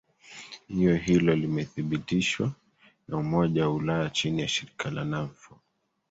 io hilo limethibitishwa na umoja wa ulaya chini ya shirika la navfo